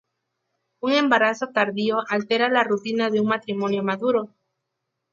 Un embarazo tardío altera la rutina de un matrimonio maduro.